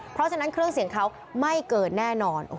เพราะฉะนั้นเครื่องเสียงเขาไม่เกินแน่นอน